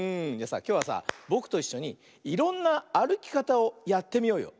きょうはさぼくといっしょにいろんなあるきかたをやってみようよ。